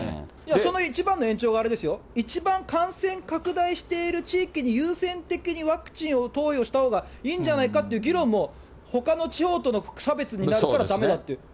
その一番の延長があれですよ、一番感染拡大している地域に、優先的にワクチンを投与したほうがいいんじゃないかっていう議論も、ほかの地方との差別になるからだめだっていう。